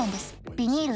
ビニール